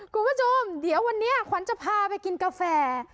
คุณผู้ชมเดี๋ยววันนี้ขวัญจะพาไปกินกาแฟ